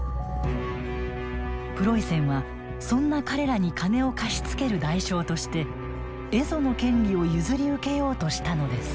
プロイセンはそんな彼らに金を貸し付ける代償として蝦夷の権利を譲り受けようとしたのです。